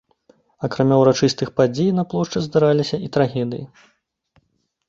Акрамя ўрачыстых падзей, на плошчы здараліся і трагедыі.